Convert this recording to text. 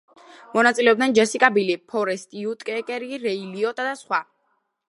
მონაწილეობენ: ჯესიკა ბილი, ფორესტ უიტეკერი, რეი ლიოტა და სხვა.